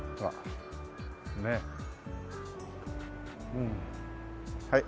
うんはい。